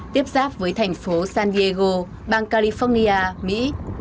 tiếp giáp với thành phố san diego bang california mỹ